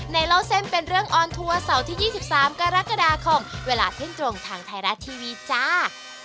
เล่าเส้นเป็นเรื่องออนทัวร์เสาร์ที่๒๓กรกฎาคมเวลาเที่ยงตรงทางไทยรัฐทีวีจ้า